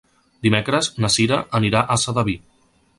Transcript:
Dimecres na Cira anirà a Sedaví.